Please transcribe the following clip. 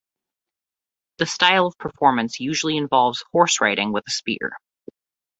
The style of performance usually involves horseriding with a spear.